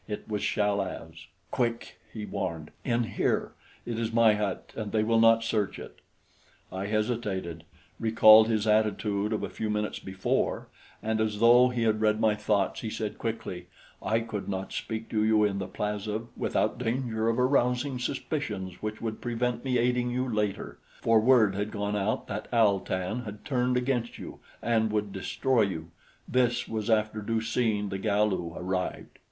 It was Chal az. "Quick!" he warned. "In here! It is my hut, and they will not search it." I hesitated, recalled his attitude of a few minutes before; and as though he had read my thoughts, he said quickly: "I could not speak to you in the plaza without danger of arousing suspicions which would prevent me aiding you later, for word had gone out that Al tan had turned against you and would destroy you this was after Du seen the Galu arrived."